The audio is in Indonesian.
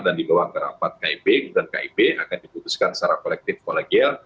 dan di bawah kerapat kip dan kip akan diputuskan secara kolektif kolegial